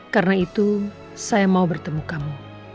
karena itu saya mau bertemu kamu